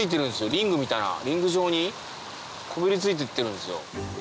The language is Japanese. リングみたいなリング状にこびり付いてってるんですよ。